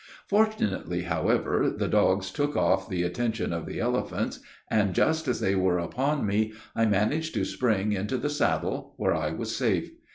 Fortunately, however, the dogs took off the attention of the elephants; and just as they were upon me, I managed to spring into the saddle, where I was safe.